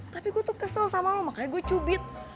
tapi gue tuh kesel sama lo makanya gue cubit